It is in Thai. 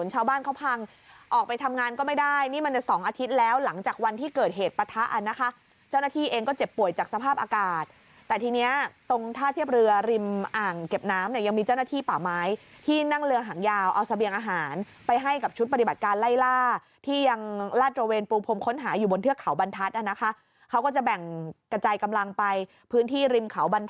เหตุประทะอันนะคะเจ้าหน้าที่เองก็เจ็บป่วยจากสภาพอากาศแต่ทีนี้ตรงท่าเทียบเรือริมอ่างเก็บน้ำเนี่ยยังมีเจ้าหน้าที่ป่าไม้ที่นั่งเรือหางยาวเอาเสบียงอาหารไปให้กับชุดปฏิบัติการไล่ล่าที่ยังลาดตัวเวรปรุงพรมค้นหาอยู่บนเทือกเขาบรรทัศน์นะคะเขาก็จะแบ่งกระจายกำลังไปพื้นที่ริม